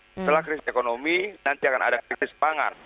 setelah krisis ekonomi nanti akan ada krisis pangan